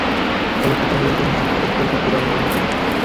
তবে Copa del রের নায়ক গ্যারেথ বেল ফিরতে পারেন প্রথম একাদশে।